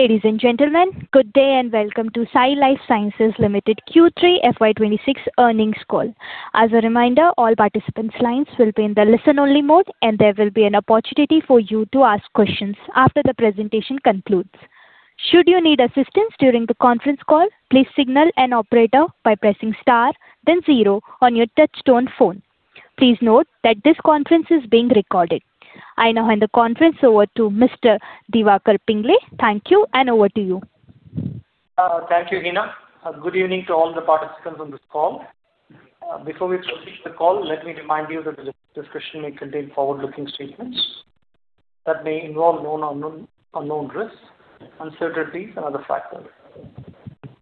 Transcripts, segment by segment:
Ladies and gentlemen, good day and welcome to Sai Life Sciences Limited Q3 FY 2026 earnings call. As a reminder, all participants' lines will be in the listen-only mode, and there will be an opportunity for you to ask questions after the presentation concludes. Should you need assistance during the conference call, please signal an operator by pressing star, then zero on your touch-tone phone. Please note that this conference is being recorded. I now hand the conference over to Mr. Diwakar Pingle. Thank you, and over to you. Thank you, Hina. Good evening to all the participants on this call. Before we proceed to the call, let me remind you that the discussion may contain forward-looking statements that may involve known or unknown risks, uncertainties, and other factors.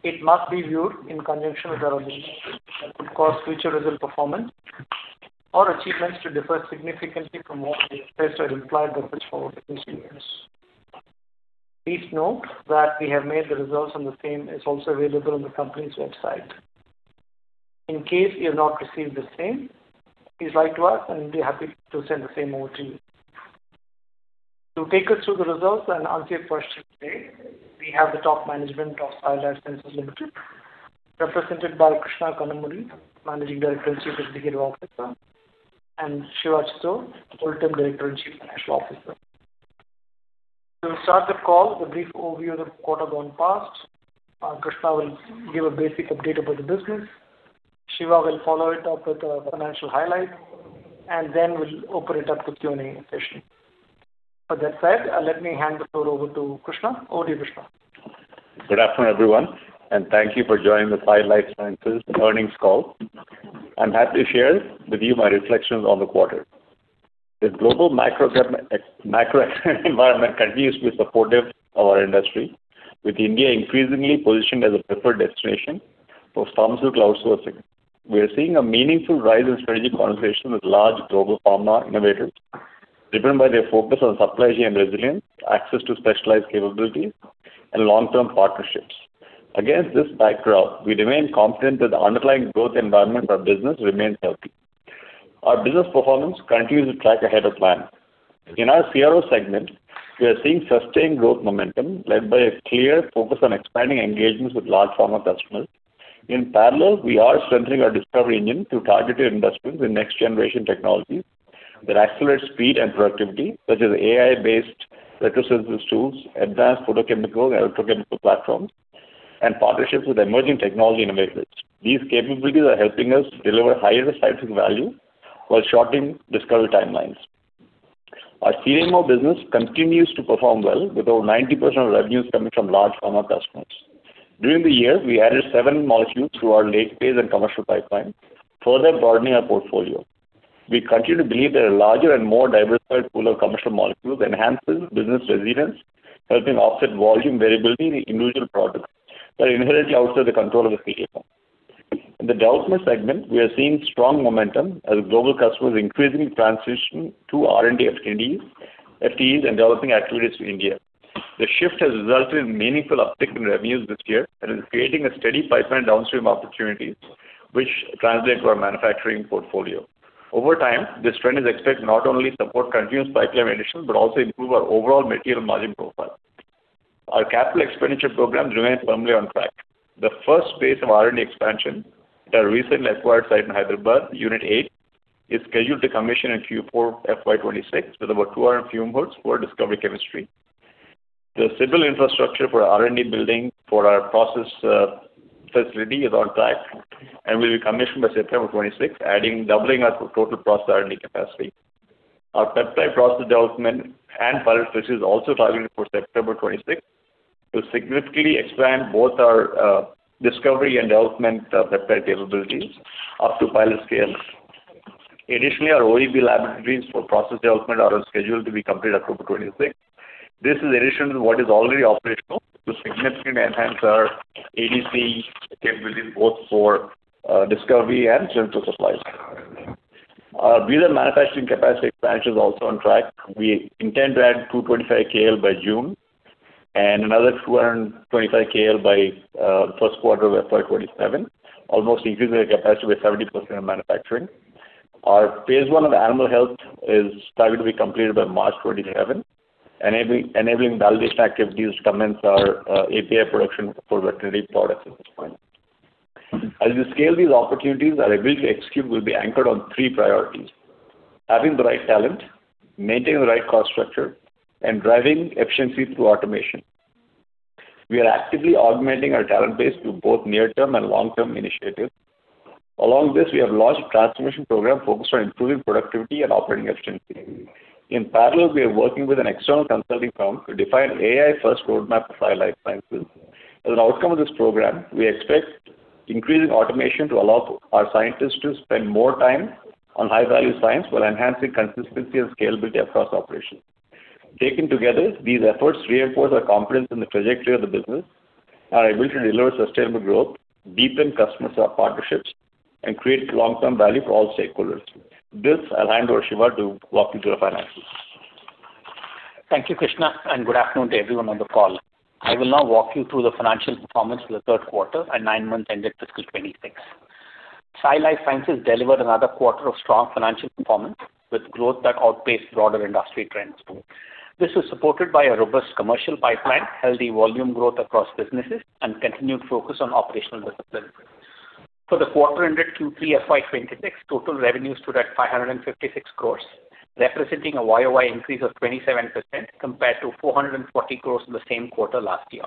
It must be viewed in conjunction with our objectives that could cause future results performance or achievements to differ significantly from what we have expressed or implied by such forward-looking statements. Please note that we have made the results and the same also available on the company's website. In case you have not received the same, please write to us, and we'll be happy to send the same over to you. To take us through the results and answer your questions today, we have the top management of Sai Life Sciences Limited, represented by Krishna Kanumuri, Managing Director and Chief Executive Officer, and Siva Chittor, Whole-time Director and Chief Financial Officer. To start the call with a brief overview of the quarter gone past, Krishna will give a basic update about the business. Siva will follow it up with a financial highlight, and then we'll open it up to Q&A session. That said, let me hand the floor over to Krishna. Over to you, Krishna. Good afternoon, everyone, and thank you for joining the Sai Life Sciences earnings call. I'm happy to share with you my reflections on the quarter. The global macroenvironment continues to be supportive of our industry, with India increasingly positioned as a preferred destination for pharmaceutical outsourcing. We are seeing a meaningful rise in strategic conversations with large global pharma innovators, driven by their focus on supply chain resilience, access to specialized capabilities, and long-term partnerships. Against this backdrop, we remain confident that the underlying growth environment for our business remains healthy. Our business performance continues to track ahead of plan. In our CRO segment, we are seeing sustained growth momentum led by a clear focus on expanding engagements with large pharma customers. In parallel, we are strengthening our discovery engine to target your industries in next-generation technologies that accelerate speed and productivity, such as AI-based retrosynthesis tools, advanced photochemical and electrochemical platforms, and partnerships with emerging technology innovators. These capabilities are helping us deliver higher scientific value while shortening discovery timelines. Our CDMO business continues to perform well, with over 90% of revenues coming from large pharma customers. During the year, we added 7 molecules to our late-phase and commercial pipeline, further broadening our portfolio. We continue to believe that a larger and more diversified pool of commercial molecules enhances business resilience, helping offset volume variability in individual products that inherently outside the control of the CRDMO. In the development segment, we are seeing strong momentum as global customers increasingly transition to R&D FTEs and developing activities in India. The shift has resulted in meaningful uptick in revenues this year and is creating a steady pipeline downstream opportunities, which translate to our manufacturing portfolio. Over time, this trend is expected to not only support continuous pipeline additions but also improve our overall material margin profile. Our capital expenditure programs remain firmly on track. The first phase of R&D expansion at our recently acquired site in Hyderabad, Unit 8, is scheduled to commission in Q4 FY 2026 with over 200 fume hoods for discovery chemistry. The civil infrastructure for R&D building for our process facility is on track and will be commissioned by September 26, doubling our total Process R&D capacity. Our peptide process development and pilot phases are also targeted for September 26 to significantly expand both our discovery and development peptide capabilities up to pilot scale. Additionally, our OEB laboratories for process development are scheduled to be completed October 26. This is in addition to what is already operational to significantly enhance our ADC capabilities both for discovery and general supplies. Our Bidar manufacturing capacity expansion is also on track. We intend to add 225 KL by June and another 225 KL by the first quarter of FY 2027, almost increasing our capacity by 70% in manufacturing. Our Phase 1 of animal health is targeted to be completed by March 27, enabling validation activities to commence our API production for veterinary products at this point. As we scale these opportunities, our ability to execute will be anchored on three priorities: having the right talent, maintaining the right cost structure, and driving efficiency through automation. We are actively augmenting our talent base through both near-term and long-term initiatives. Along this, we have launched a transformation program focused on improving productivity and operating efficiency. In parallel, we are working with an external consulting firm to define an AI-first roadmap for Sai Life Sciences. As an outcome of this program, we expect increasing automation to allow our scientists to spend more time on high-value science while enhancing consistency and scalability across operations. Taken together, these efforts reinforce our confidence in the trajectory of the business, our ability to deliver sustainable growth, deepen customer partnerships, and create long-term value for all stakeholders. This I'll hand over to Siva to walk you through the finances. Thank you, Krishna, and good afternoon to everyone on the call. I will now walk you through the financial performance for the third quarter and nine months ended fiscal 2026. Sai Life Sciences delivered another quarter of strong financial performance with growth that outpaced broader industry trends. This was supported by a robust commercial pipeline, healthy volume growth across businesses, and continued focus on operational discipline. For the quarter ended Q3 FY 2026, total revenues stood at 556 crore, representing a Y-o-Y increase of 27% compared to 440 crore in the same quarter last year.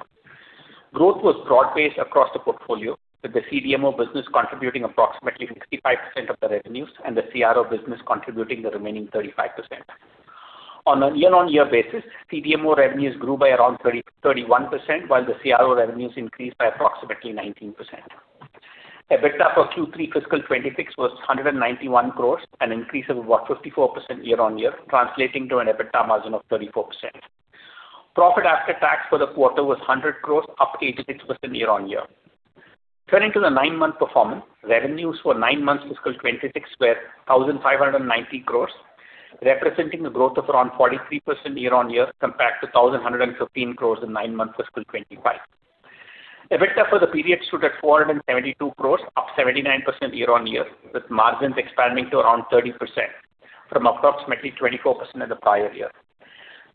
Growth was broad-based across the portfolio, with the CDMO business contributing approximately 65% of the revenues and the CRO business contributing the remaining 35%. On a year-on-year basis, CDMO revenues grew by around 31%, while the CRO revenues increased by approximately 19%. EBITDA for Q3 fiscal 2026 was 191 crores, an increase of about 54% year-on-year, translating to an EBITDA margin of 34%. Profit after tax for the quarter was 100 crores, up 86% year-on-year. Turning to the nine-month performance, revenues for nine months fiscal 2026 were 1,590 crores, representing a growth of around 43% year-on-year compared to 1,115 crores in nine months fiscal 2025. EBITDA for the period stood at 472 crores, up 79% year-on-year, with margins expanding to around 30% from approximately 24% in the prior year.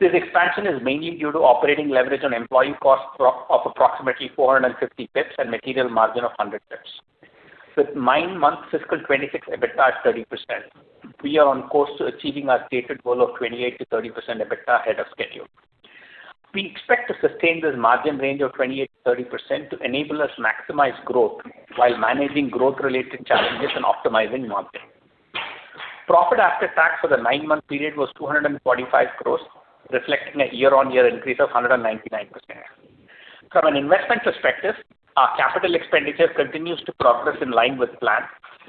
This expansion is mainly due to operating leverage on employee costs of approximately 450 bps and material margin of 100 bps. With nine-month fiscal 2026 EBITDA at 30%, we are on course to achieving our stated goal of 28%-30% EBITDA ahead of schedule. We expect to sustain this margin range of 28%-30% to enable us to maximize growth while managing growth-related challenges and optimizing margin. Profit after tax for the nine-month period was 245 crores, reflecting a year-on-year increase of 199%. From an investment perspective, our capital expenditure continues to progress in line with plan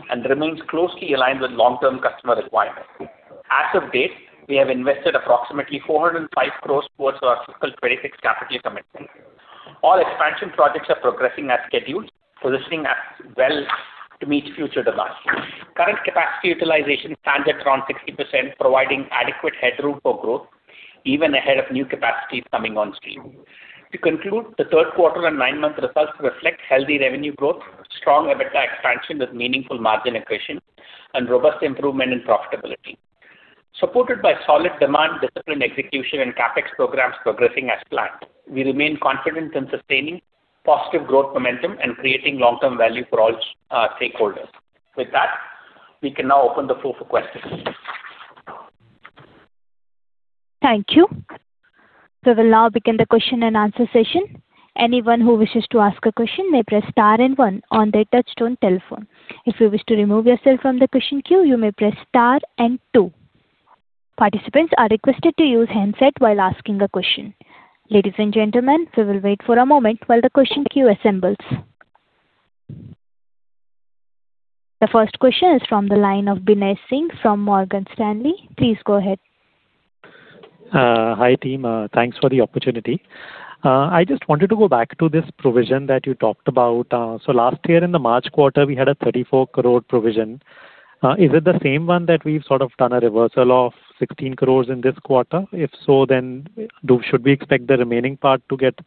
and remains closely aligned with long-term customer requirements. As of date, we have invested approximately 405 crores towards our fiscal 2026 capital commitment. All expansion projects are progressing as scheduled, positioning well to meet future demands. Current capacity utilization stands at around 60%, providing adequate headroom for growth even ahead of new capacities coming on stream. To conclude, the third quarter and nine-month results reflect healthy revenue growth, strong EBITDA expansion with meaningful margin accretion, and robust improvement in profitability. Supported by solid demand, discipline, execution and CapEx programs progressing as planned, we remain confident in sustaining positive growth momentum and creating long-term value for all stakeholders. With that, we can now open the floor for questions. Thank you. We will now begin the question-and-answer session. Anyone who wishes to ask a question may press star and one on their touch-tone telephone. If you wish to remove yourself from the question queue, you may press star and two. Participants are requested to use handset while asking a question. Ladies and gentlemen, we will wait for a moment while the question queue assembles. The first question is from the line of Binay Singh from Morgan Stanley. Please go ahead. Hi, team. Thanks for the opportunity. I just wanted to go back to this provision that you talked about. So last year, in the March quarter, we had a 34 crore provision. Is it the same one that we've sort of done a reversal of 16 crore in this quarter? If so, then should we expect the remaining part to get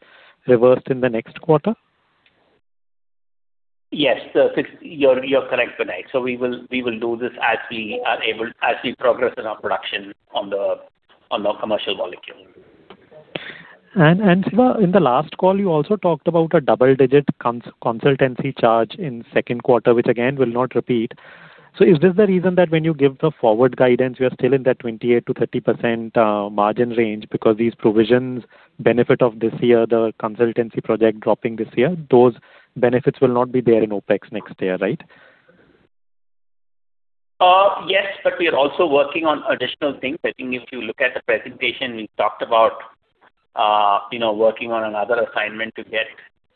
reversed in the next quarter? Yes, you're correct, Binay. So we will do this as we progress in our production on our commercial molecule. And Siva, in the last call, you also talked about a double-digit consultancy charge in second quarter, which again, we'll not repeat. So is this the reason that when you give the forward guidance, you are still in that 28%-30% margin range because these provisions benefit of this year, the consultancy project dropping this year? Those benefits will not be there in OpEx next year, right? Yes, but we are also working on additional things. I think if you look at the presentation, we talked about working on another assignment to get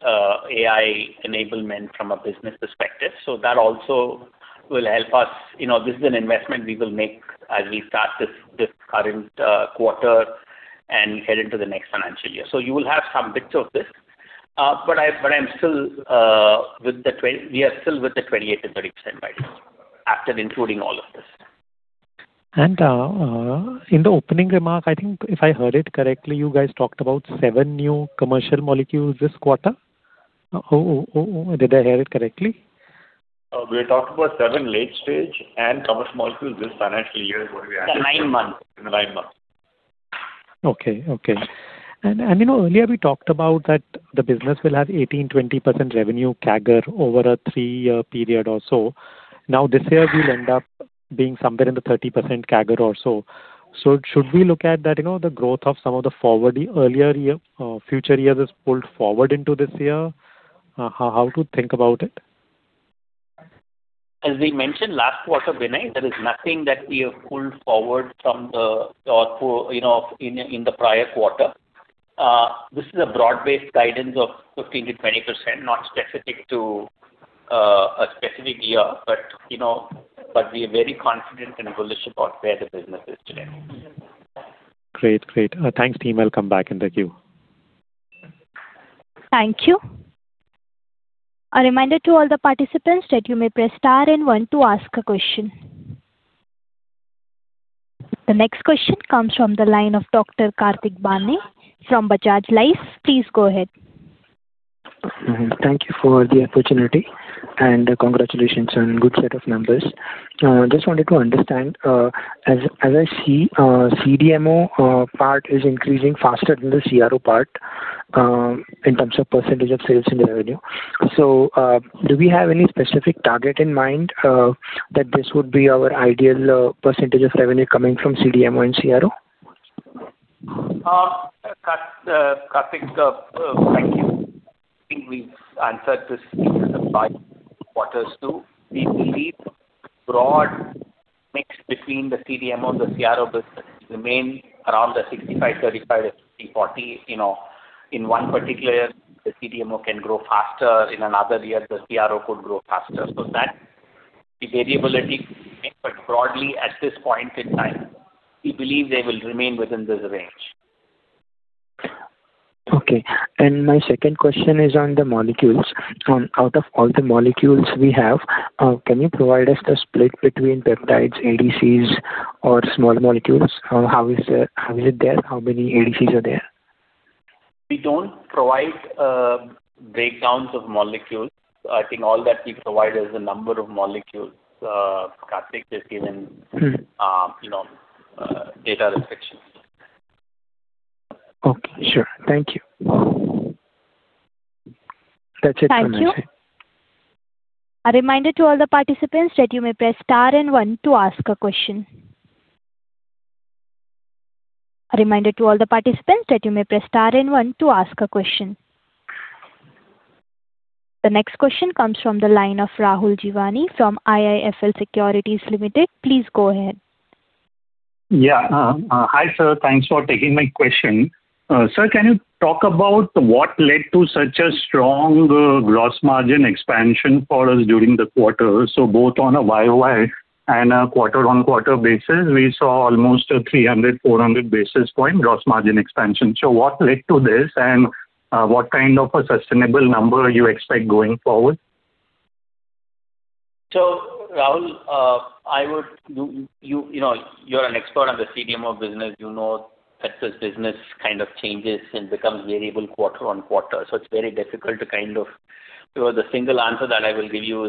AI enablement from a business perspective. So that also will help us. This is an investment we will make as we start this current quarter and head into the next financial year. So you will have some bits of this, but we are still with the 28%-30% by then after including all of this. In the opening remark, I think if I heard it correctly, you guys talked about seven new commercial molecules this quarter. Did I hear it correctly? We talked about seven late-stage and commercial molecules this financial year, is what we are aiming for. The nine months. In the nine months. Okay. Okay. Earlier, we talked about that the business will have 18%-20% revenue CAGR over a three-year period or so. Now, this year, we'll end up being somewhere in the 30% CAGR or so. So should we look at that, the growth of some of the earlier future years is pulled forward into this year? How to think about it? As we mentioned last quarter, Binay, there is nothing that we have pulled forward from the prior quarter. This is a broad-based guidance of 15%-20%, not specific to a specific year, but we are very confident and bullish about where the business is today. Great. Great. Thanks, team. I'll come back in the queue. Thank you. A reminder to all the participants that you may press star and one to ask a question. The next question comes from the line of Dr. Kartik Bhat from Bajaj Life. Please go ahead. Thank you for the opportunity, and congratulations on a good set of numbers. I just wanted to understand, as I see, CDMO part is increasing faster than the CRO part in terms of percentage of sales and revenue. So do we have any specific target in mind that this would be our ideal percentage of revenue coming from CDMO and CRO? Kartik, thank you. I think we've answered this in the last quarters too. We believe the broad mix between the CDMO and the CRO business remains around the 65-35 and 50-40. In one particular year, the CDMO can grow faster. In another year, the CRO could grow faster. So that's the variability we can make. But broadly, at this point in time, we believe they will remain within this range. Okay. And my second question is on the molecules. Out of all the molecules we have, can you provide us the split between peptides, ADCs, or small molecules? How is it there? How many ADCs are there? We don't provide breakdowns of molecules. I think all that we provide is the number of molecules. Kartik has given data restrictions. Okay. Sure. Thank you. That's it for me, Binay. Thank you. A reminder to all the participants that you may press star and one to ask a question. A reminder to all the participants that you may press star and one to ask a question. The next question comes from the line of Rahul Jeewani from IIFL Securities Limited. Please go ahead. Yeah. Hi, sir. Thanks for taking my question. Sir, can you talk about what led to such a strong gross margin expansion for us during the quarter? So both on a Y-o-Y and a quarter-on-quarter basis, we saw almost a 300-400 basis point gross margin expansion. So what led to this, and what kind of a sustainable number you expect going forward? So Rahul, you're an expert on the CDMO business. You know that this business kind of changes and becomes variable quarter-on-quarter. So it's very difficult to kind of the single answer that I will give you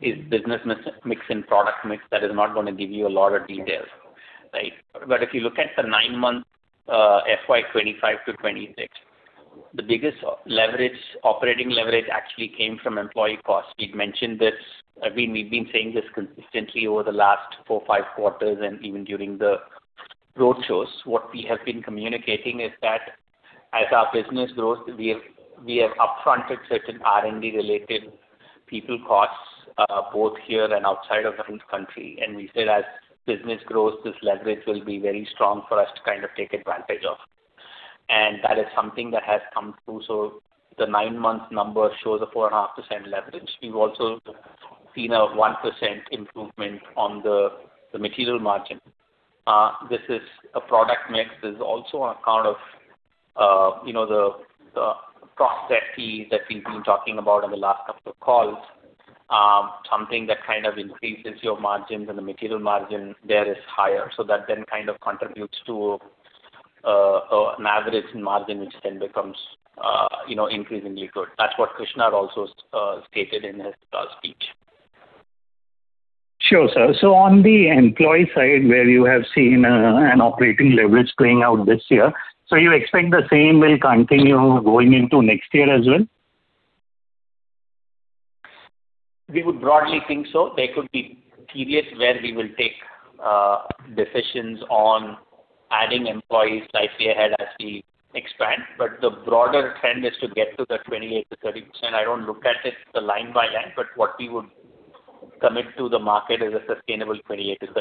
is business mix and product mix. That is not going to give you a lot of details, right? But if you look at the 9-month FY 2025 to 2026, the biggest operating leverage actually came from employee costs. We've mentioned this. I mean, we've been saying this consistently over the last 4, 5 quarters, and even during the roadshows. What we have been communicating is that as our business grows, we have upfronted certain R&D-related people costs both here and outside of the country. And that is something that has come through. The nine-month number shows a 4.5% leverage. We've also seen a 1% improvement on the material margin. This is a product mix. This is also on account of the cost debt fee that we've been talking about in the last couple of calls. Something that kind of increases your margins and the material margin there is higher. So that then kind of contributes to an average margin, which then becomes increasingly good. That's what Krishna also stated in his last speech. Sure, sir. So on the employee side, where you have seen an operating leverage playing out this year, so you expect the same will continue going into next year as well? We would broadly think so. There could be periods where we will take decisions on adding employees slightly ahead as we expand. But the broader trend is to get to the 28%-30%. I don't look at it line by line, but what we would commit to the market is a sustainable 28%-30%.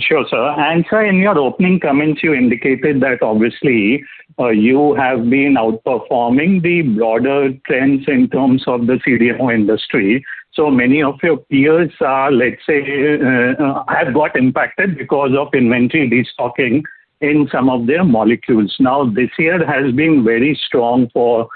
Sure, sir. And sir, in your opening comments, you indicated that obviously, you have been outperforming the broader trends in terms of the CDMO industry. So many of your peers are, let's say, have got impacted because of inventory destocking in some of their molecules. Now, this year has been very strong for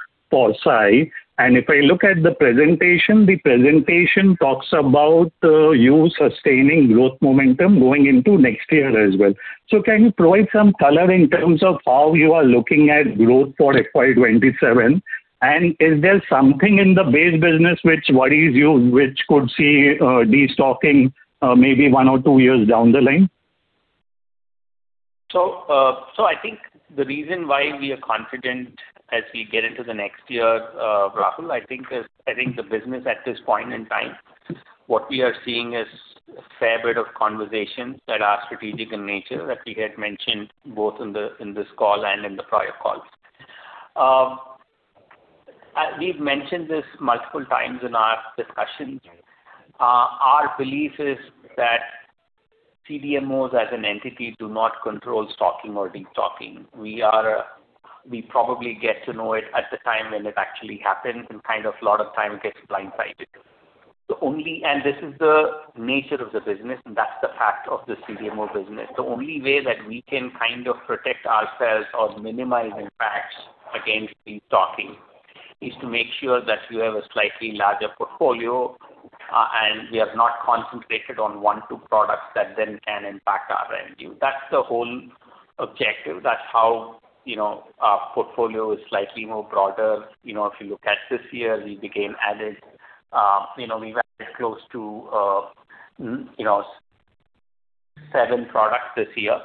Sai. And if I look at the presentation, the presentation talks about you sustaining growth momentum going into next year as well. So can you provide some color in terms of how you are looking at growth for FY 2027? And is there something in the base business which worries you, which could see destocking maybe one or two years down the line? So I think the reason why we are confident as we get into the next year, Rahul. I think the business at this point in time, what we are seeing is a fair bit of conversations that are strategic in nature that we had mentioned both in this call and in the prior calls. We've mentioned this multiple times in our discussions. Our belief is that CDMOs, as an entity, do not control stocking or destocking. We probably get to know it at the time when it actually happens, and kind of a lot of time, it gets blindsided. And this is the nature of the business, and that's the fact of the CDMO business. The only way that we can kind of protect ourselves or minimize impacts against destocking is to make sure that you have a slightly larger portfolio, and we are not concentrated on 1 or 2 products that then can impact our revenue. That's the whole objective. That's how our portfolio is slightly more broader. If you look at this year, we began adding we've added close to 7 products this year.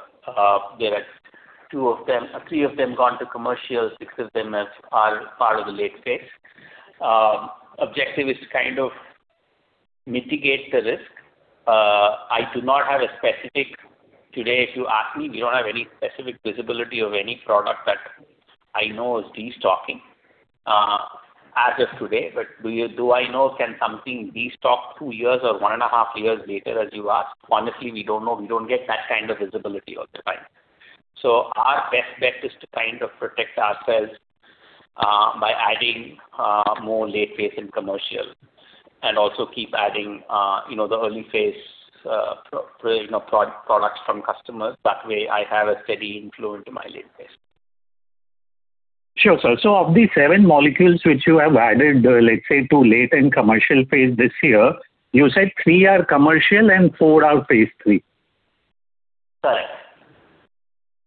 There are 3 of them gone to commercial. 6 of them are part of the late-stage. The objective is to kind of mitigate the risk. I do not have a specific today, if you ask me. We don't have any specific visibility of any product that I know is destocking as of today. But do I know, can something destock 2 years or one and a half years later, as you asked? Honestly, we don't know. We don't get that kind of visibility all the time. Our best bet is to kind of protect ourselves by adding more late-phase in commercial and also keep adding the early-phase products from customers. That way, I have a steady inflow into my late-phase. Sure, sir. So of these 7 molecules which you have added, let's say, to late and commercial phase this year, you said 3 are commercial and 4 are phase three. Correct.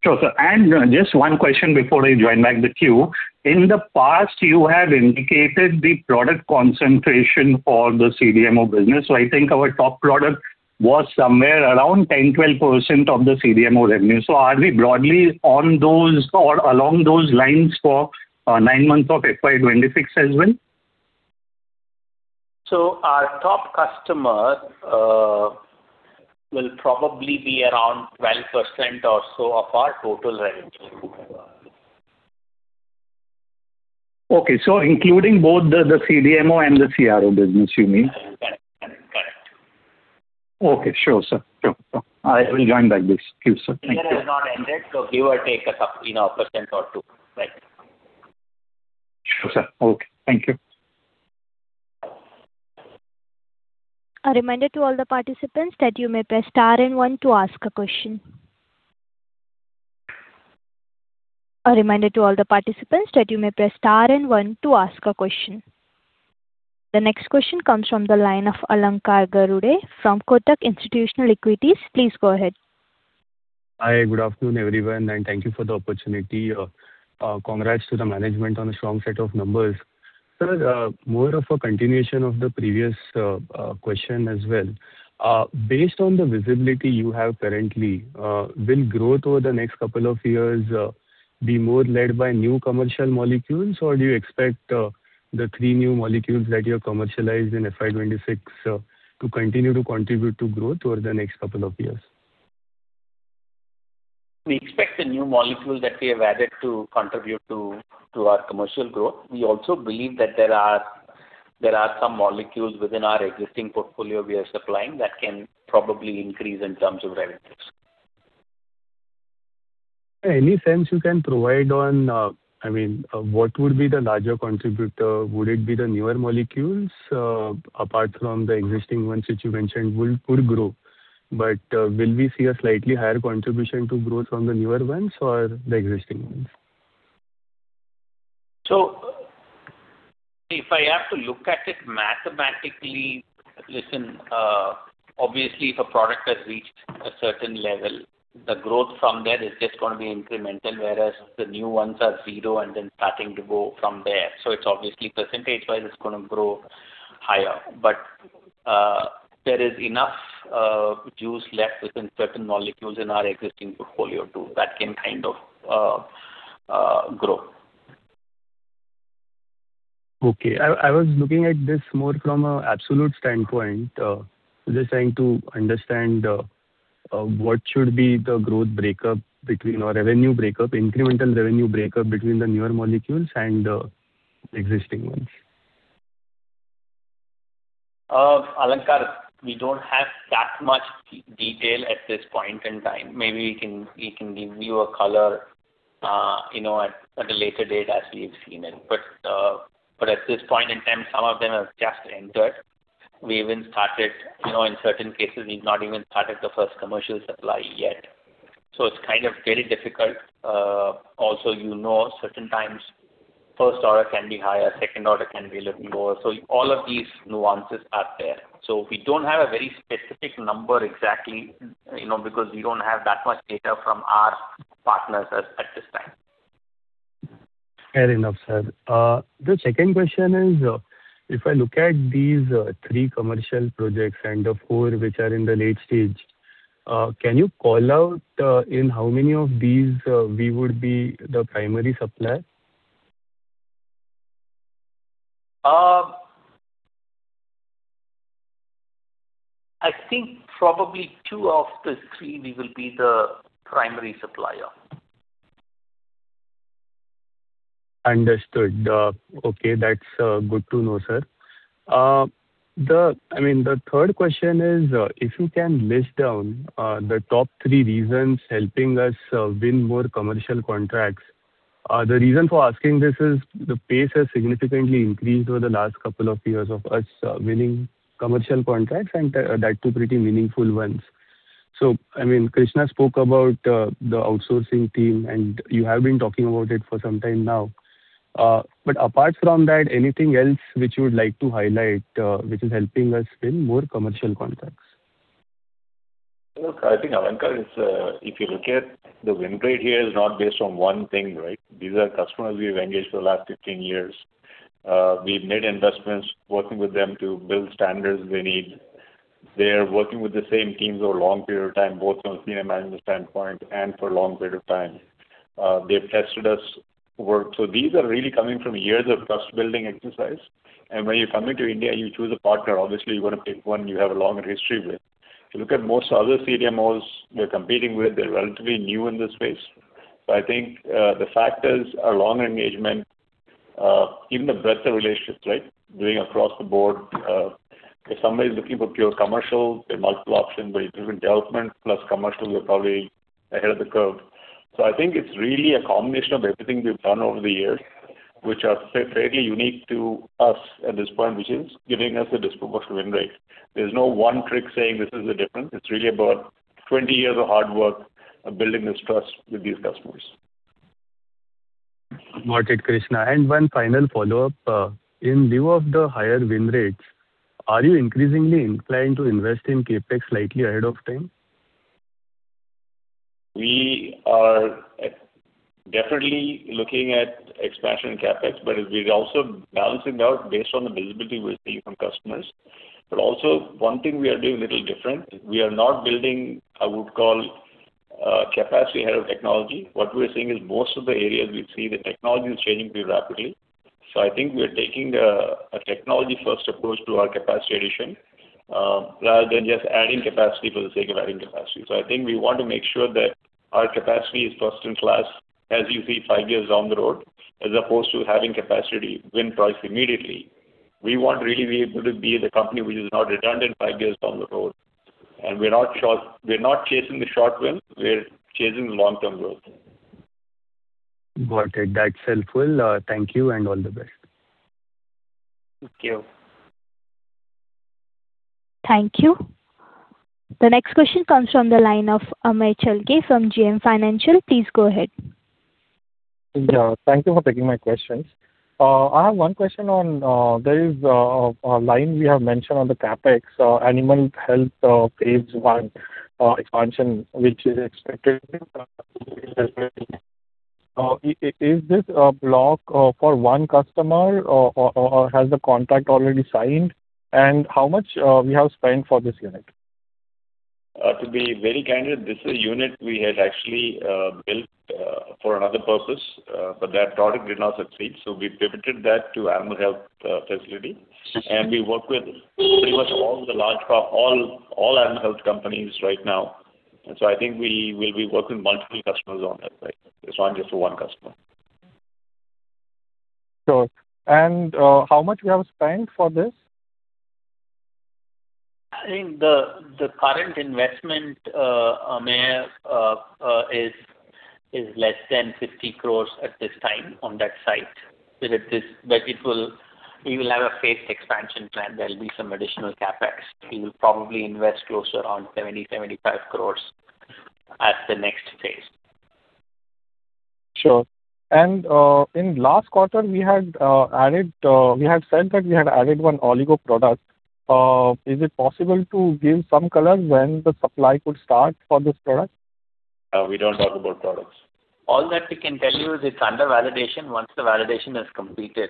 Sure, sir. And just one question before I join back the queue. In the past, you have indicated the product concentration for the CDMO business. So I think our top product was somewhere around 10%-12% of the CDMO revenue. So are we broadly on those or along those lines for nine months of FY 2026 as well? Our top customer will probably be around 12% or so of our total revenue. Okay. So including both the CDMO and the CRO business, you mean? Correct. Okay. Sure, sir. Sure, sir. I will join back this. Thank you, sir. The year has not ended, so give or take 1% or 2%, right? Sure, sir. Okay. Thank you. A reminder to all the participants that you may press star and one to ask a question. A reminder to all the participants that you may press star and one to ask a question. The next question comes from the line of Alankar Garude from Kotak Institutional Equities. Please go ahead. Hi. Good afternoon, everyone, and thank you for the opportunity. Congrats to the management on a strong set of numbers. Sir, more of a continuation of the previous question as well. Based on the visibility you have currently, will growth over the next couple of years be more led by new commercial molecules, or do you expect the three new molecules that you have commercialized in FY 2026 to continue to contribute to growth over the next couple of years? We expect the new molecules that we have added to contribute to our commercial growth. We also believe that there are some molecules within our existing portfolio we are supplying that can probably increase in terms of revenues. In any sense you can provide on, I mean, what would be the larger contributor? Would it be the newer molecules apart from the existing ones which you mentioned would grow? But will we see a slightly higher contribution to growth from the newer ones or the existing ones? So if I have to look at it mathematically, listen, obviously, if a product has reached a certain level, the growth from there is just going to be incremental, whereas the new ones are zero and then starting to go from there. So it's obviously, percentage-wise, it's going to grow higher. But there is enough juice left within certain molecules in our existing portfolio too that can kind of grow. Okay. I was looking at this more from an absolute standpoint, just trying to understand what should be the growth breakup between or incremental revenue breakup between the newer molecules and the existing ones. Alankar, we don't have that much detail at this point in time. Maybe we can give you a color at a later date as we've seen it. At this point in time, some of them have just entered. We've even started in certain cases. We've not even started the first commercial supply yet. It's kind of very difficult. Also, certain times, first order can be higher. Second order can be a little lower. All of these nuances are there. We don't have a very specific number exactly because we don't have that much data from our partners at this time. Fair enough, sir. The second question is, if I look at these three commercial projects and the four which are in the late stage, can you call out in how many of these we would be the primary supplier? I think probably two of the three we will be the primary supplier. Understood. Okay. That's good to know, sir. I mean, the third question is, if you can list down the top three reasons helping us win more commercial contracts. The reason for asking this is the pace has significantly increased over the last couple of years of us winning commercial contracts and that too pretty meaningful ones. So I mean, Krishna spoke about the outsourcing team, and you have been talking about it for some time now. But apart from that, anything else which you would like to highlight which is helping us win more commercial contracts? Look, I think Alankar is if you look at the win rate here, it's not based on one thing, right? These are customers we've engaged for the last 15 years. We've made investments working with them to build standards they need. They're working with the same teams over a long period of time, both from a senior management standpoint and for a long period of time. They've tested us. So these are really coming from years of trust-building exercise. And when you're coming to India, you choose a partner. Obviously, you want to pick one you have a longer history with. If you look at most other CDMOs we're competing with, they're relatively new in this space. So I think the factors are longer engagement, even the breadth of relationships, right, doing across the board. If somebody's looking for pure commercial, there are multiple options, but if it's in development plus commercial, we're probably ahead of the curve. So I think it's really a combination of everything we've done over the years, which are fairly unique to us at this point, which is giving us a disproportionate win rate. There's no one trick saying this is the difference. It's really about 20 years of hard work building this trust with these customers. Mr. Krishna. One final follow-up. In view of the higher win rates, are you increasingly inclined to invest in CapEx slightly ahead of time? We are definitely looking at expansion in CapEx, but we're also balancing out based on the visibility we're seeing from customers. Also, one thing we are doing a little different. We are not building, I would call, capacity ahead of technology. What we're seeing is most of the areas we see, the technology is changing pretty rapidly. So I think we are taking a technology-first approach to our capacity addition rather than just adding capacity for the sake of adding capacity. So I think we want to make sure that our capacity is first-class, as you see, five years down the road, as opposed to having capacity win price immediately. We want to really be able to be the company which is not redundant five years down the road. And we're not chasing the short win. We're chasing the long-term growth. Got it. That's helpful. Thank you and all the best. Thank you. Thank you. The next question comes from the line of Amey Chalke from JM Financial. Please go ahead. Thank you for taking my questions. I have one question on there is a line we have mentioned on the CapEx, Animal Health Phase 1 expansion, which is expected. Is this a block for one customer, or has the contract already signed? And how much we have spent for this unit? To be very candid, this is a unit we had actually built for another purpose, but that product did not succeed. So we pivoted that to animal health facility. And we work with pretty much all animal health companies right now. And so I think we will be working with multiple customers on it, right, it's not just for one customer. Sure. And how much we have spent for this? I think the current investment, Amey, is less than 50 crores at this time on that site. But we will have a phased expansion plan. There'll be some additional CapEx. We will probably invest closer on 70-75 crores at the next phase. Sure. In last quarter, we had said that we had added one Oligo product. Is it possible to give some color when the supply could start for this product? We don't talk about products. All that we can tell you is it's under validation. Once the validation is completed,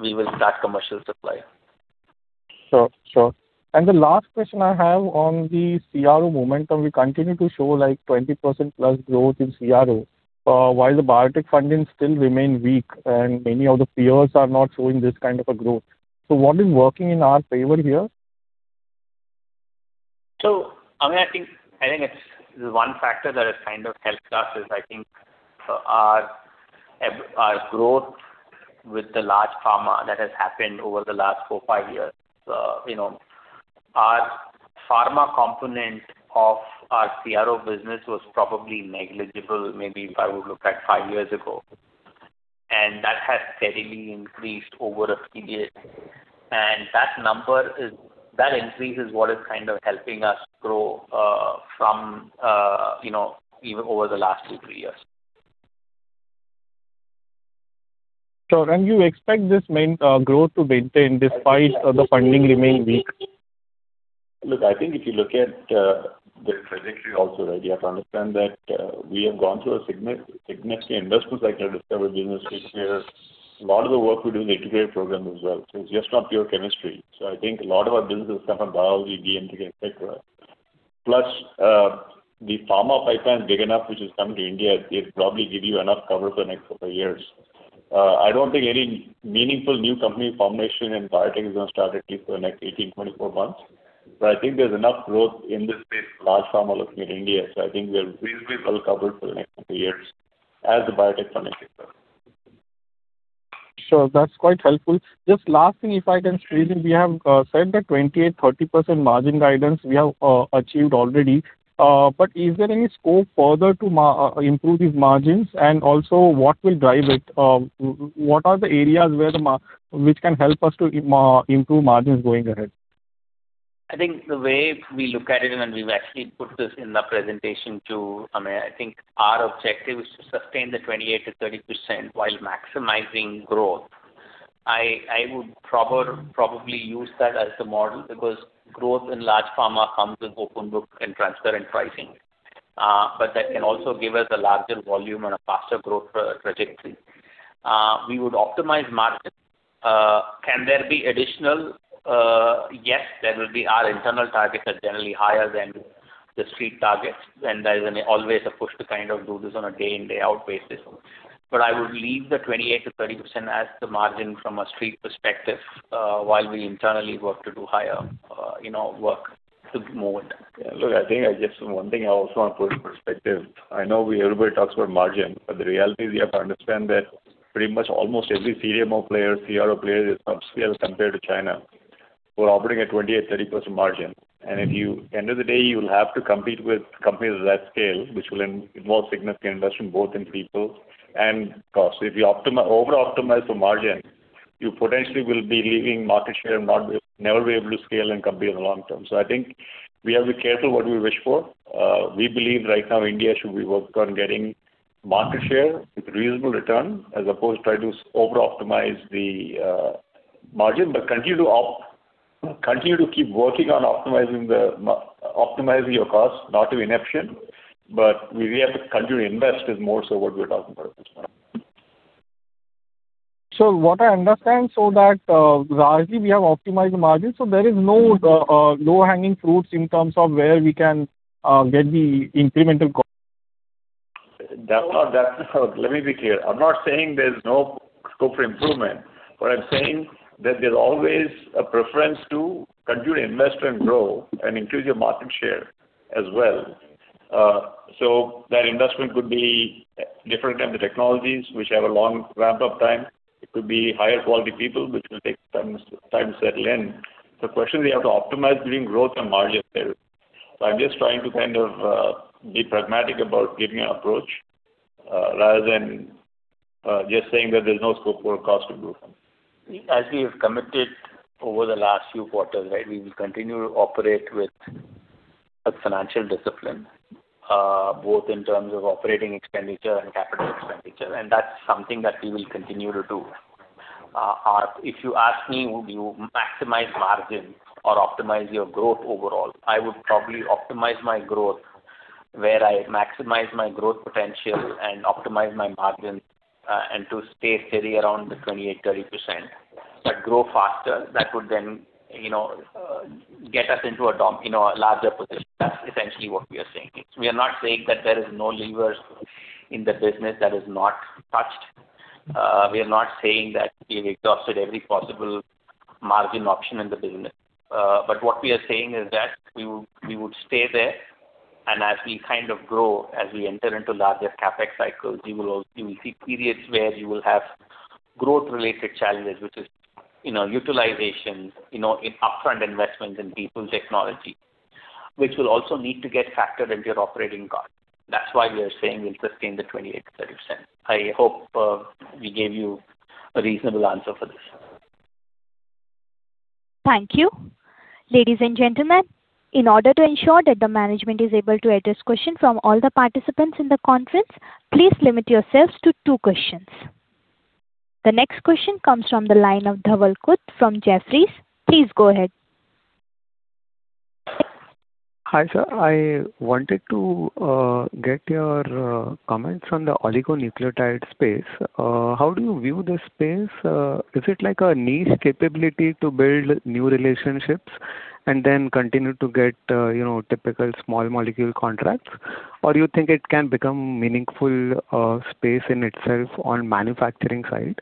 we will start commercial supply. Sure, sure. And the last question I have on the CRO momentum. We continue to show 20%+ growth in CRO while the biotech funding still remains weak, and many of the peers are not showing this kind of growth. So what is working in our favor here? So I mean, I think the one factor that has kind of helped us is I think our growth with the large pharma that has happened over the last 4-5 years. Our pharma component of our CRO business was probably negligible, maybe if I would look at 5 years ago. And that increase is what is kind of helping us grow from even over the last 2-3 years. Sure. And you expect this growth to maintain despite the funding remaining weak? Look, I think if you look at the trajectory also, right, you have to understand that we have gone through a significant investment cycle at CDMO business which we're a lot of the work we do is integrated programs as well. So it's just not pure chemistry. So I think a lot of our businesses come from biology, DMPK, etc. Plus, the pharma pipeline is big enough, which is coming to India. It'll probably give you enough cover for the next couple of years. I don't think any meaningful new company formation in biotech is going to start at least for the next 18, 24 months. But I think there's enough growth in this space, large pharma looking at India. So I think we are reasonably well covered for the next couple of years as the biotech funding takes up. Sure. That's quite helpful. Just last thing, if I can squeeze in. We have said the 28%-30% margin guidance we have achieved already. But is there any scope further to improve these margins? And also, what will drive it? What are the areas which can help us to improve margins going ahead? I think the way we look at it, and we've actually put this in the presentation too, Amey, I think our objective is to sustain the 28%-30% while maximizing growth. I would probably use that as the model because growth in large pharma comes with open book and transparent pricing. But that can also give us a larger volume and a faster growth trajectory. We would optimize margins. Can there be additional? Yes, there will be. Our internal targets are generally higher than the street targets. And there is always a push to kind of do this on a day-in, day-out basis. But I would leave the 28%-30% as the margin from a street perspective while we internally work to do higher work to be more intact. Yeah. Look, I think just one thing I also want to put in perspective. I know everybody talks about margin, but the reality is you have to understand that pretty much almost every CDMO player, CRO player is subscale compared to China. We're operating at 28%-30% margin. And at the end of the day, you will have to compete with companies of that scale, which will involve significant investment both in people and cost. So if you over-optimize for margin, you potentially will be leaving market share and never be able to scale and compete in the long term. So I think we have to be careful what we wish for. We believe right now, India should be working on getting market share with reasonable return as opposed to trying to over-optimize the margin but continue to keep working on optimizing your costs, not to mention. But we really have to continue to invest is more so what we're talking about at this point. So, what I understand, so that largely, we have optimized the margins. So there is no low-hanging fruit in terms of where we can get the incremental cost. Let me be clear. I'm not saying there's no scope for improvement. What I'm saying is that there's always a preference to continue to invest and grow and increase your market share as well. So that investment could be different than the technologies, which have a long ramp-up time. It could be higher-quality people, which will take time to settle in. So the question is, you have to optimize between growth and margin there. So I'm just trying to kind of be pragmatic about giving an approach rather than just saying that there's no scope for cost improvement. As we have committed over the last few quarters, right, we will continue to operate with a financial discipline both in terms of operating expenditure and capital expenditure. And that's something that we will continue to do. If you ask me, would you maximize margin or optimize your growth overall, I would probably optimize my growth where I maximize my growth potential and optimize my margin and to stay steady around the 28%-30%. But grow faster, that would then get us into a larger position. That's essentially what we are saying. We are not saying that there is no levers in the business that is not touched. We are not saying that we've exhausted every possible margin option in the business. But what we are saying is that we would stay there. And as we kind of grow, as we enter into larger CapEx cycles, you will see periods where you will have growth-related challenges, which is utilization, upfront investments in people, technology, which will also need to get factored into your operating cost. That's why we are saying we'll sustain the 28%-30%. I hope we gave you a reasonable answer for this. Thank you. Ladies and gentlemen, in order to ensure that the management is able to address questions from all the participants in the conference, please limit yourselves to two questions. The next question comes from the line of Dhaval Khut from Jefferies. Please go ahead. Hi, sir. I wanted to get your comments on the oligonucleotide space. How do you view this space? Is it a niche capability to build new relationships and then continue to get typical small molecule contracts, or do you think it can become meaningful space in itself on the manufacturing side?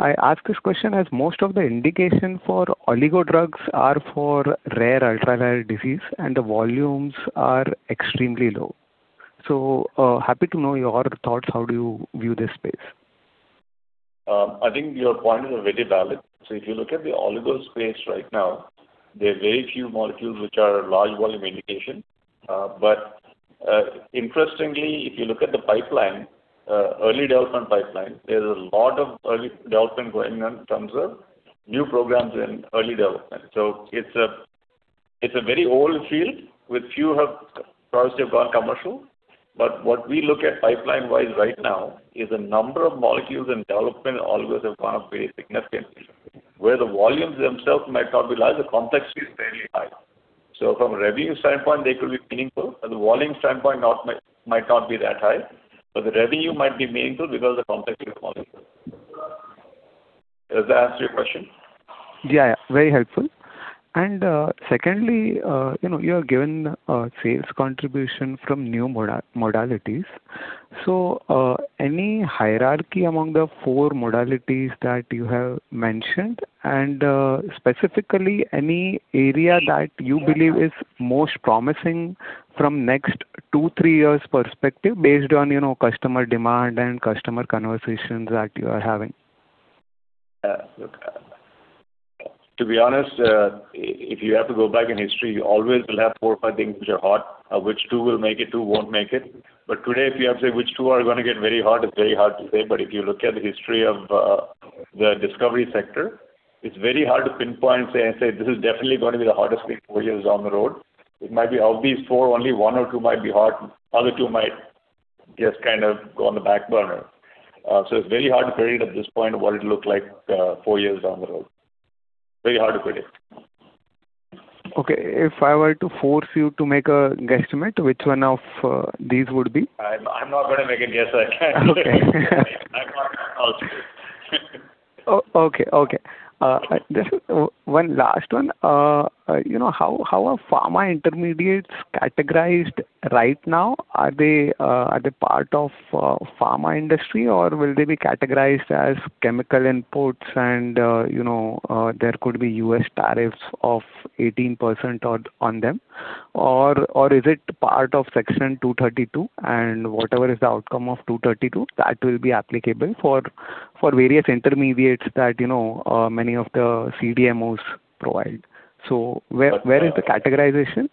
I ask this question as most of the indications for oligo drugs are for rare ultra-rare disease, and the volumes are extremely low. So happy to know your thoughts. How do you view this space? I think your point is very valid. So if you look at the oligo space right now, there are very few molecules which are large-volume indication. But interestingly, if you look at the pipeline, early development pipeline, there's a lot of early development going on in terms of new programs in early development. So it's a very old field with few products that have gone commercial. But what we look at pipeline-wise right now is the number of molecules in development always have gone up very significantly. Where the volumes themselves might not be large, the complexity is fairly high. So from a revenue standpoint, they could be meaningful. From the volume standpoint, it might not be that high. But the revenue might be meaningful because of the complexity of the molecule. Does that answer your question? Yeah, yeah. Very helpful. And secondly, you are given sales contribution from new modalities. So any hierarchy among the four modalities that you have mentioned, and specifically, any area that you believe is most promising from the next 2-3 years' perspective based on customer demand and customer conversations that you are having? Yeah. Look, to be honest, if you have to go back in history, you always will have four or five things which are hot, which two will make it, two won't make it. But today, if you have to say which two are going to get very hot, it's very hard to say. But if you look at the history of the discovery sector, it's very hard to pinpoint and say, "This is definitely going to be the hottest thing four years down the road." It might be of these four, only one or two might be hot. Other two might just kind of go on the back burner. So it's very hard to predict at this point what it'll look like four years down the road. Very hard to predict. Okay. If I were to force you to make a guesstimate, which one of these would be? I'm not going to make a guess. I can't. I'm not an analyst. Okay, okay. Just one last one. How are pharma intermediates categorized right now? Are they part of the pharma industry, or will they be categorized as chemical imports, and there could be U.S. tariffs of 18% on them? Or is it part of Section 232, and whatever is the outcome of 232, that will be applicable for various intermediates that many of the CDMOs provide? So where is the categorization?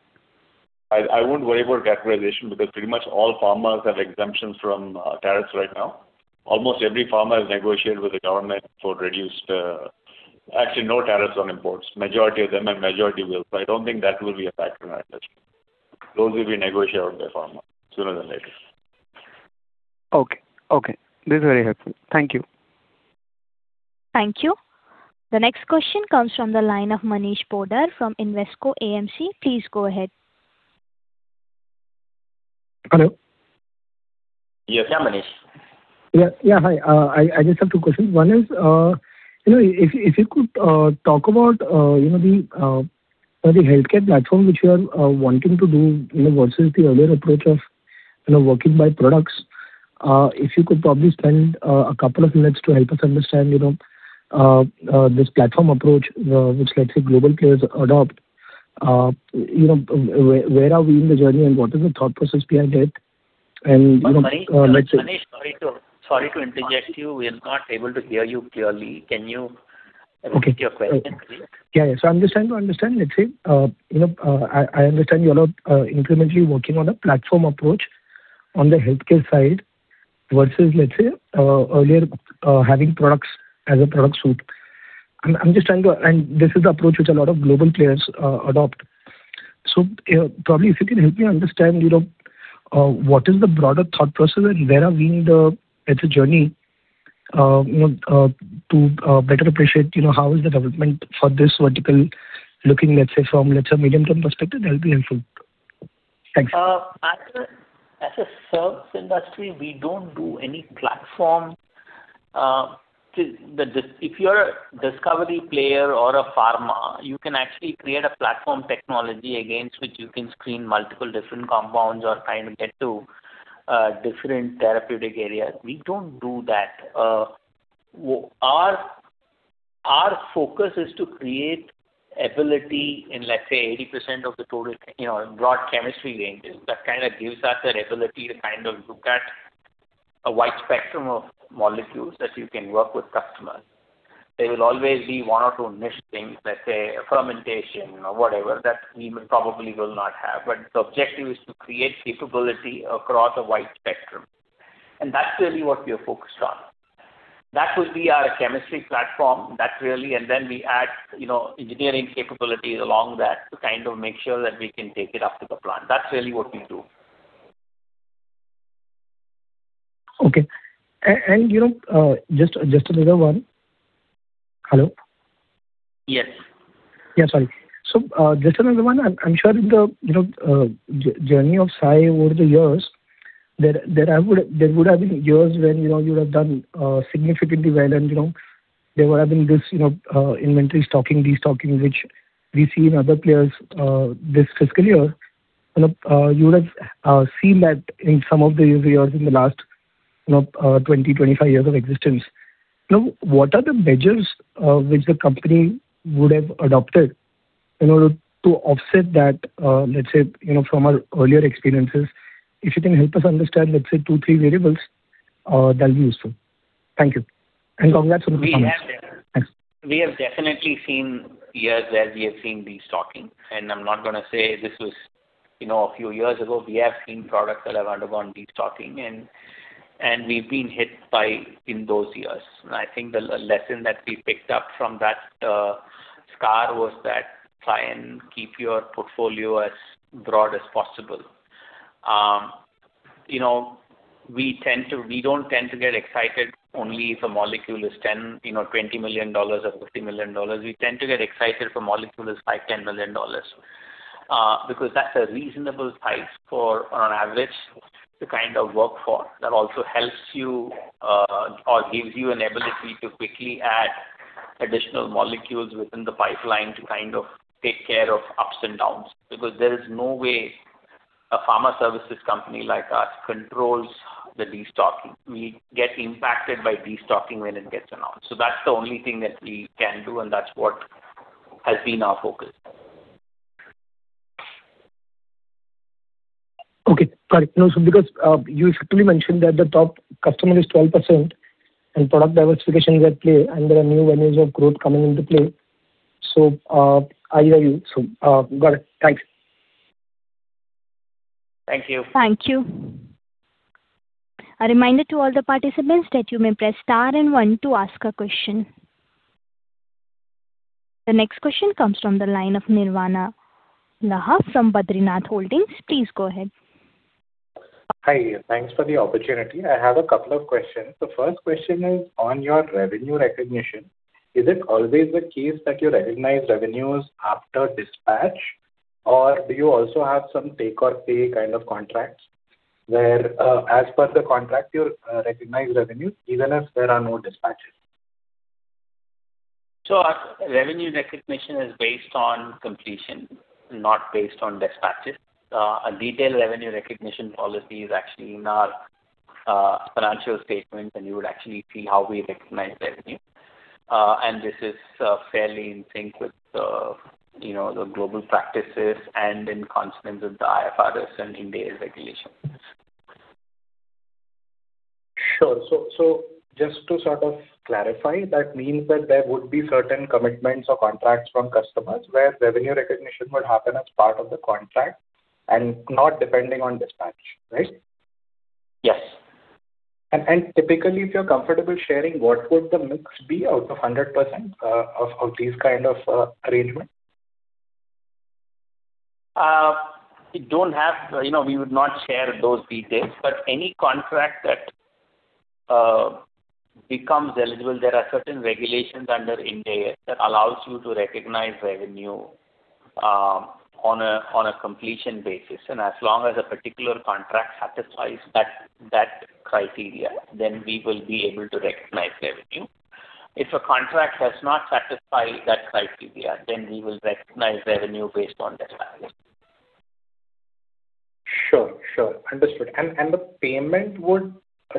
I won't worry about categorization because pretty much all pharmas have exemptions from tariffs right now. Almost every pharma has negotiated with the government for reduced, actually no, tariffs on imports. Majority of them, and majority will. So I don't think that will be a factor in our industry. Those will be negotiated out by pharma sooner than later. Okay, okay. This is very helpful. Thank you. Thank you. The next question comes from the line of Manish Poddar from Invesco AMC. Please go ahead. Hello? Yes. Yeah, Manish. Yeah, yeah. Hi. I just have two questions. One is, if you could talk about the healthcare platform which you are wanting to do versus the earlier approach of working by products, if you could probably spend a couple of minutes to help us understand this platform approach which, let's say, global players adopt, where are we in the journey, and what is the thought process behind it? And let's say. Manish, sorry to interject you. We are not able to hear you clearly. Can you repeat your question, please? Yeah, yeah. So I'm just trying to understand. Let's say, I understand you're incrementally working on a platform approach on the healthcare side versus, let's say, earlier, having products as a product suite. I'm just trying to and this is the approach which a lot of global players adopt. So probably, if you can help me understand what is the broader thought process, and where are we in the journey to better appreciate how is the development for this vertical looking, let's say, from, let's say, a medium-term perspective, that'll be helpful. Thanks. As a service industry, we don't do any platform. If you're a discovery player or a pharma, you can actually create a platform technology against which you can screen multiple different compounds or kind of get to different therapeutic areas. We don't do that. Our focus is to create ability in, let's say, 80% of the total broad chemistry ranges that kind of gives us the ability to kind of look at a wide spectrum of molecules that you can work with customers. There will always be one or two niche things, let's say, fermentation or whatever that we probably will not have. But the objective is to create capability across a wide spectrum. And that's really what we are focused on. That would be our chemistry platform. And then we add engineering capabilities along that to kind of make sure that we can take it up to the plant. That's really what we do. Okay. And just another one. Hello? Yes. Yeah, sorry. So just another one. I'm sure in the journey of Sai over the years, there would have been years when you would have done significantly well, and there would have been this inventory stocking, destocking, which we see in other players this fiscal year. You would have seen that in some of the years in the last 20, 25 years of existence. What are the measures which the company would have adopted in order to offset that, let's say, from our earlier experiences? If you can help us understand, let's say, two, three variables, that'll be useful. Thank you. And lastly in the comments. We have definitely seen years where we have seen destocking. I'm not going to say this was a few years ago. We have seen products that have undergone destocking, and we've been hit in those years. I think the lesson that we picked up from that scar was that try and keep your portfolio as broad as possible. We don't tend to get excited only if a molecule is $20 million or $50 million. We tend to get excited if a molecule is $5 million-$10 million because that's a reasonable price for, on average, to kind of work for. That also helps you or gives you an ability to quickly add additional molecules within the pipeline to kind of take care of ups and downs because there is no way a pharma services company like us controls the destocking. We get impacted by destocking when it gets announced. So that's the only thing that we can do, and that's what has been our focus. Okay. Got it. No, so because you effectively mentioned that the top customer is 12% and product diversification is at play, and there are new avenues of growth coming into play. So I agree with you. So got it. Thanks. Thank you. Thank you. A reminder to all the participants that you may press star and one to ask a question. The next question comes from the line of Nirvana Laha from Badrinath Holdings. Please go ahead. Hi. Thanks for the opportunity. I have a couple of questions. The first question is on your revenue recognition. Is it always the case that you recognize revenues after dispatch, or do you also have some take-or-pay kind of contracts where, as per the contract, you recognize revenues even if there are no dispatches? Revenue recognition is based on completion, not based on dispatches. A detailed revenue recognition policy is actually in our financial statements, and you would actually see how we recognize revenue. This is fairly in sync with the global practices and in concern with the IFRS and India's regulations. Sure. Just to sort of clarify, that means that there would be certain commitments or contracts from customers where revenue recognition would happen as part of the contract and not depending on dispatch, right? Yes. Typically, if you're comfortable sharing, what would the mix be out of 100% of these kind of arrangements? We would not share those details. Any contract that becomes eligible, there are certain regulations under India that allow you to recognize revenue on a completion basis. As long as a particular contract satisfies that criteria, then we will be able to recognize revenue. If a contract does not satisfy that criteria, then we will recognize revenue based on dispatches. Sure, sure. Understood. The payment would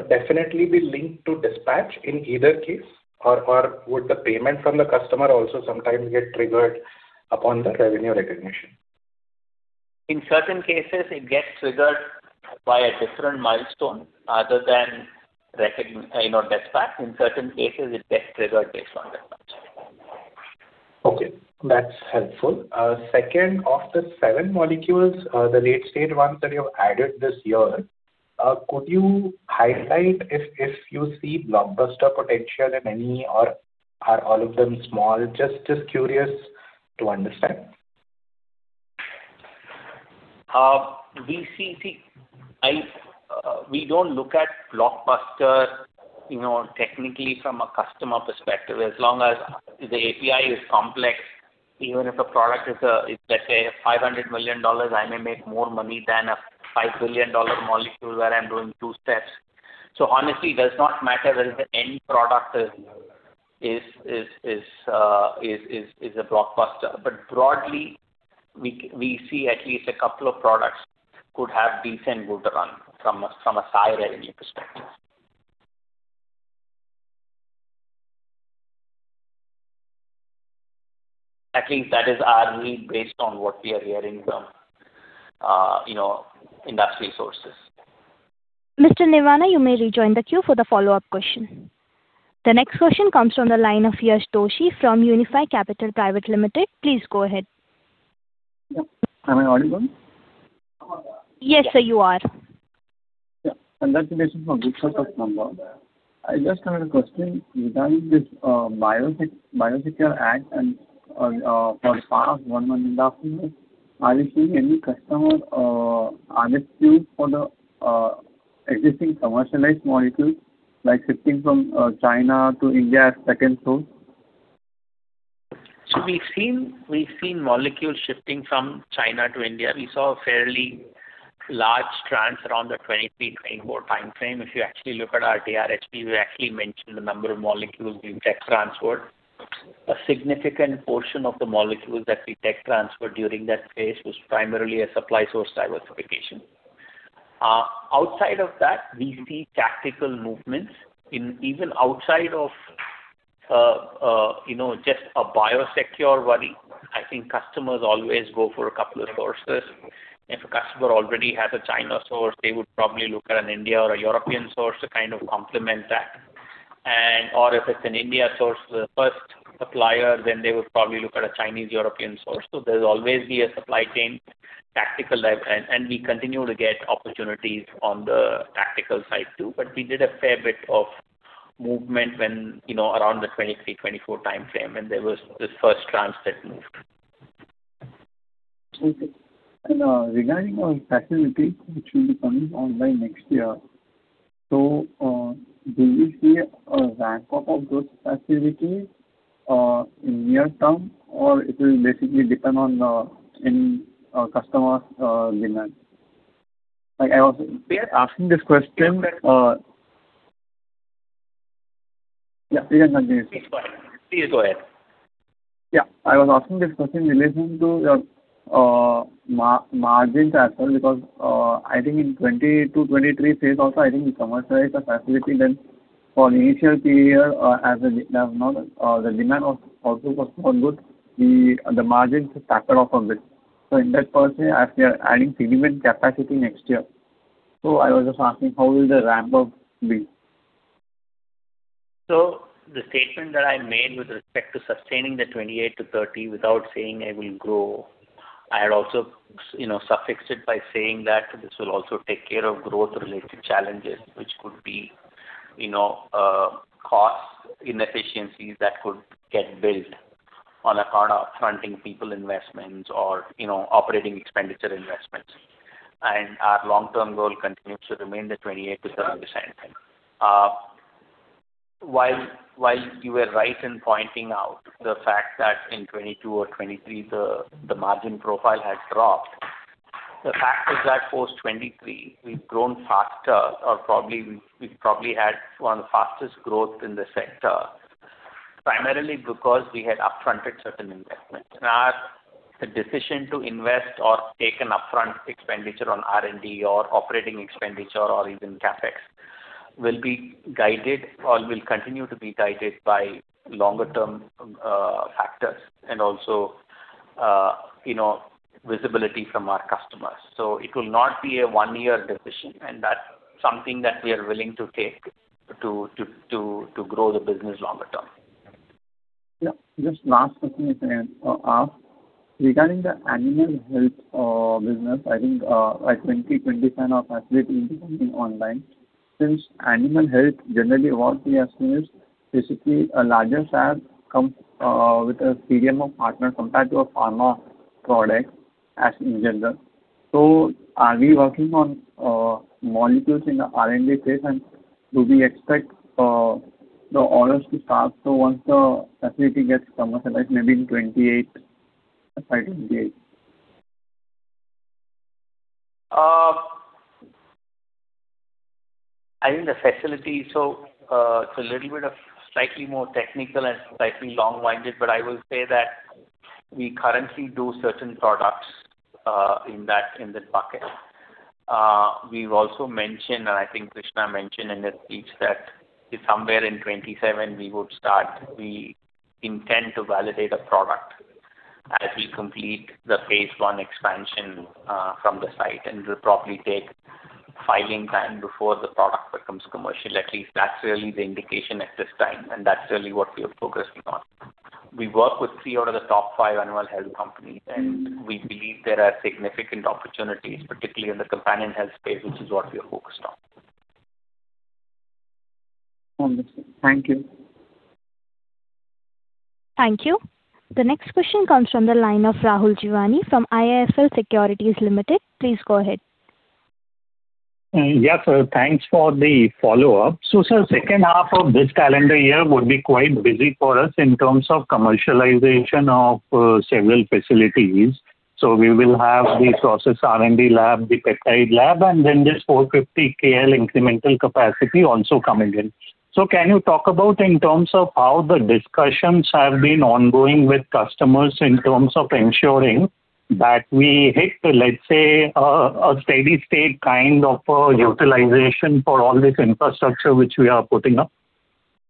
definitely be linked to dispatch in either case, or would the payment from the customer also sometimes get triggered upon the revenue recognition? In certain cases, it gets triggered by a different milestone other than dispatch. In certain cases, it gets triggered based on dispatch. Okay. That's helpful. Second of the seven molecules, the late-stage ones that you have added this year, could you highlight if you see blockbuster potential in any, or are all of them small? Just curious to understand. We don't look at blockbuster technically from a customer perspective. As long as the API is complex, even if a product is, let's say, $500 million, I may make more money than a $5 billion molecule where I'm doing two steps. So honestly, it does not matter whether the end product is a blockbuster. But broadly, we see at least a couple of products could have decent good run from a Sai revenue perspective. At least that is our read based on what we are hearing from industry sources. Mr. Nirvana, you may rejoin the queue for the follow-up question. The next question comes from the line of Yash Doshi from Unifi Capital Private Limited. Please go ahead. Yeah. Am I audible? Yes, sir, you are. Yeah. Congratulations on good self-explanation. I just had a question. Regarding this Biosecure Act, for the past one month and a half, are we seeing any customer additive for the existing commercialized molecules, like shifting from China to India as second source? So we've seen molecules shifting from China to India. We saw a fairly large transfer on the 2023-24 timeframe. If you actually look at our DRHP, we actually mentioned the number of molecules we've tech-transferred. A significant portion of the molecules that we tech-transferred during that phase was primarily a supply-source diversification. Outside of that, we see tactical movements. Even outside of just a Biosecure worry, I think customers always go for a couple of sources. If a customer already has a China source, they would probably look at an India or a European source to kind of complement that. Or if it's an India source for the first supplier, then they would probably look at a Chinese-European source. So there'll always be a supply chain tactical. And we continue to get opportunities on the tactical side too. We did a fair bit of movement around the 2023-2024 timeframe when there was this first transfer move. Okay. Regarding our facilities, which will be coming online next year, so do we see a ramp-up of those facilities in the near term, or it will basically depend on any customer's demand? I was asking this question. Yeah, you can continue. Please go ahead. Please go ahead. Yeah. I was asking this question in relation to your margins as well because I think in 2022-2023 phase also, I think we commercialized a facility. Then for the initial period, as the demand also was not good, the margins sucked it off a bit. So in that phase, we are adding significant capacity next year. So I was just asking, how will the ramp-up be? So the statement that I made with respect to sustaining the 28%-30% without saying I will grow, I had also suffixed it by saying that this will also take care of growth-related challenges, which could be cost inefficiencies that could get built on account of fronting people investments or operating expenditure investments. And our long-term goal continues to remain the 28%-30% same thing. While you were right in pointing out the fact that in 2022 or 2023, the margin profile had dropped, the fact is that for 2023, we've grown faster, or we've probably had one of the fastest growth in the sector primarily because we had upfronted certain investments. And the decision to invest or take an upfront expenditure on R&D or operating expenditure or even CapEx will be guided or will continue to be guided by longer-term factors and also visibility from our customers. It will not be a one-year decision. That's something that we are willing to take to grow the business longer term. Yeah. Just last question I can ask. Regarding the animal health business, I think a 2020 kind of facility is coming online. Since animal health, generally, what we are seeing is basically a larger size comes with a CDMO partner compared to a pharma product in general. So are we working on molecules in the R&D phase, and do we expect the orders to start? So once the facility gets commercialized, maybe in 2028, say 2028. I think the facility, so it's a little bit of slightly more technical and slightly long-winded, but I will say that we currently do certain products in that bucket. We've also mentioned, and I think Krishna mentioned in his speech that somewhere in 2027, we would start. We intend to validate a product as we complete the Phase 1 expansion from the site. It will probably take filing time before the product becomes commercial. At least that's really the indication at this time, and that's really what we are focusing on. We work with three out of the top five animal health companies, and we believe there are significant opportunities, particularly in the companion health space, which is what we are focused on. Understood. Thank you. Thank you. The next question comes from the line of Rahul Jeewani from IIFL Securities Limited. Please go ahead. Yes, sir. Thanks for the follow-up. So, sir, second half of this calendar year would be quite busy for us in terms of commercialization of several facilities. So we will have the Process R&D lab, the peptide lab, and then this 450 KL incremental capacity also coming in. So can you talk about in terms of how the discussions have been ongoing with customers in terms of ensuring that we hit, let's say, a steady-state kind of utilization for all this infrastructure which we are putting up?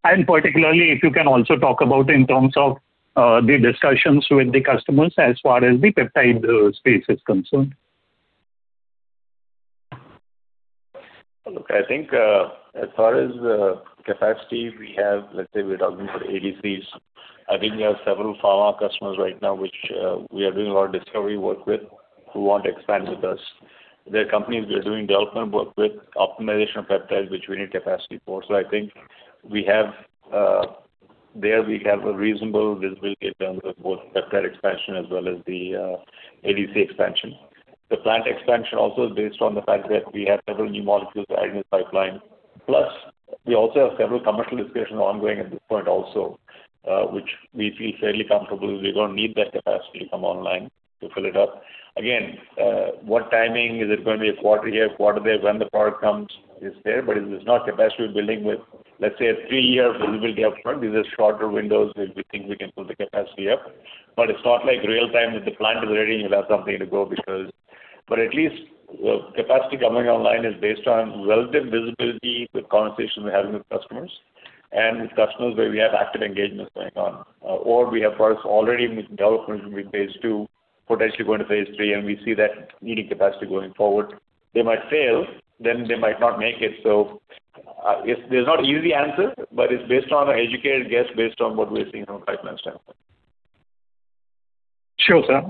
And particularly, if you can also talk about in terms of the discussions with the customers as far as the peptide space is concerned? Look, I think as far as capacity, let's say we're talking for ADCs. I think we have several pharma customers right now which we are doing a lot of discovery work with who want to expand with us. There are companies we are doing development work with, optimization of peptides, which we need capacity for. So I think there, we have a reasonable visibility in terms of both peptide expansion as well as the ADC expansion. The plant expansion also is based on the fact that we have several new molecules added in this pipeline. Plus, we also have several commercial discussions ongoing at this point also, which we feel fairly comfortable. We're going to need that capacity to come online to fill it up. Again, what timing? Is it going to be a quarter here, quarter there? When the product comes, it's there. But if it's not capacity building with, let's say, a 3-year visibility upfront, these are shorter windows if we think we can pull the capacity up. But it's not like real-time that the plant is ready, and you'll have something to go because but at least capacity coming online is based on relative visibility with conversations we're having with customers and with customers where we have active engagements going on. Or we have products already in development which will be Phase 2, potentially going to Phase 3, and we see that needing capacity going forward. They might fail. Then they might not make it. So there's not an easy answer, but it's based on an educated guess based on what we're seeing from a pipeline standpoint. Sure, sir.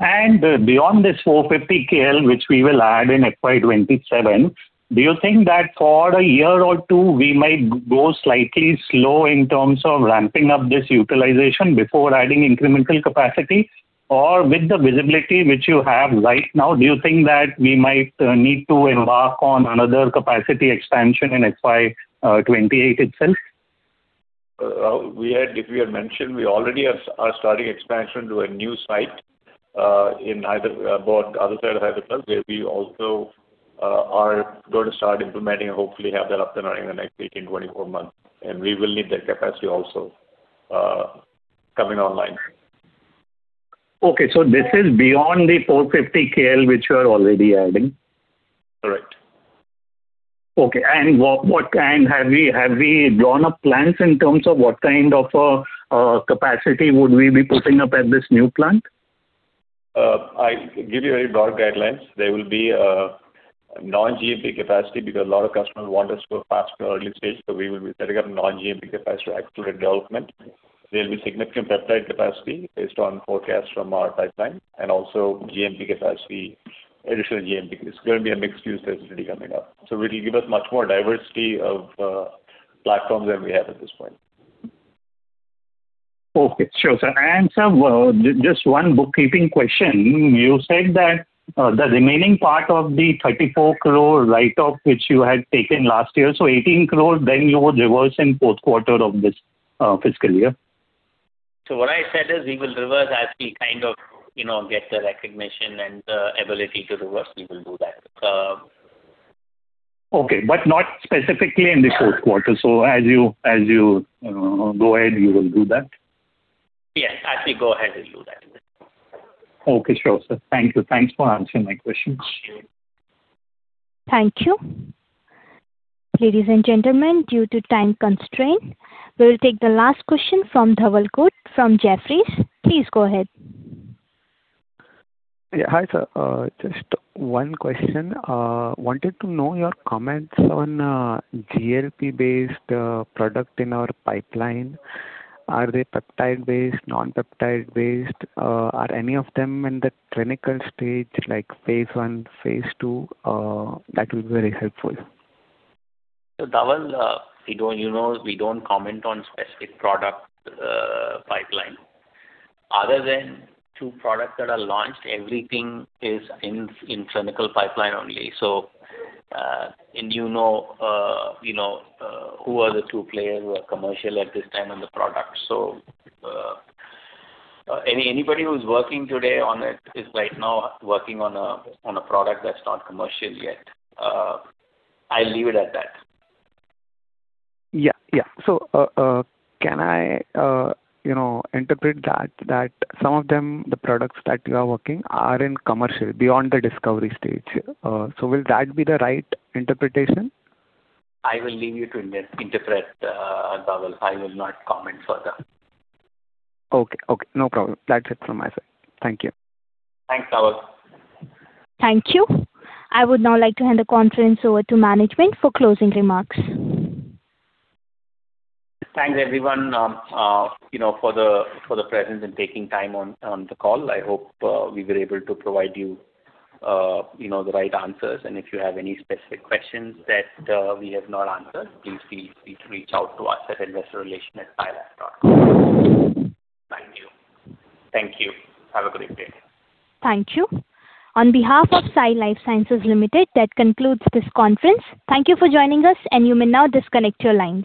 Beyond this 450 KL which we will add in FY 2027, do you think that for a year or two, we might go slightly slow in terms of ramping up this utilization before adding incremental capacity? Or with the visibility which you have right now, do you think that we might need to embark on another capacity expansion in FY 2028 itself? If we had mentioned, we already are starting expansion to a new site on both other sides of Hyderabad where we also are going to start implementing and hopefully have that up and running in the next 18-24 months. And we will need that capacity also coming online. Okay. So this is beyond the 450 KL which you are already adding? Correct. Okay. And have we drawn up plans in terms of what kind of capacity would we be putting up at this new plant? I give you very broad guidelines. There will be non-GMP capacity because a lot of customers want us to go faster early stage. So we will be setting up non-GMP capacity for actual development. There'll be significant peptide capacity based on forecasts from our pipeline and also additional GMP. It's going to be a mixed-use facility coming up. So it'll give us much more diversity of platforms than we have at this point. Okay. Sure, sir. And sir, just one bookkeeping question. You said that the remaining part of the 34 crore write-off which you had taken last year, so 18 crore, then you would reverse in fourth quarter of this fiscal year. What I said is we will reverse as we kind of get the recognition and the ability to reverse. We will do that. Okay. But not specifically in the fourth quarter. So as you go ahead, you will do that? Yes. As we go ahead, we'll do that. Okay. Sure, sir. Thank you. Thanks for answering my question. Sure. Thank you. Ladies and gentlemen, due to time constraint, we'll take the last question from Dhaval Khut from Jefferies. Please go ahead. Yeah. Hi, sir. Just one question. Wanted to know your comments on GLP-based product in our pipeline. Are they peptide-based, non-peptide-based? Are any of them in the clinical stage, like Phase 1, phase two? That will be very helpful. So, Dhaval, we don't comment on specific product pipeline. Other than two products that are launched, everything is in clinical pipeline only. So, and you know who are the two players who are commercial at this time on the product. So anybody who's working today on it is right now working on a product that's not commercial yet. I'll leave it at that. Yeah. Yeah. So can I interpret that some of them, the products that you are working, are in commercial beyond the discovery stage? So will that be the right interpretation? I will leave you to interpret, Dhaval. I will not comment further. Okay. Okay. No problem. That's it from my side. Thank you. Thanks, Dhaval. Thank you. I would now like to hand the conference over to management for closing remarks. Thanks, everyone, for the presence and taking time on the call. I hope we were able to provide you the right answers. If you have any specific questions that we have not answered, please reach out to us at investorrelations@sailife.com. Thank you. Thank you. Have a great day. Thank you. On behalf of Sai Life Sciences Limited, that concludes this conference. Thank you for joining us, and you may now disconnect your lines.